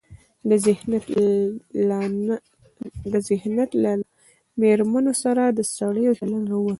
له ذهنيت نه له مېرمنو سره د سړيو چلن راوتى.